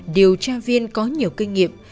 điều tra viên có nhiều kinh nghiệm